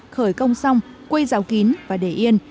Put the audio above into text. khởi công xong quây rào kín và để yên